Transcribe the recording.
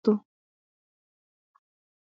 او د کميونسټ انقلاب نه وروستو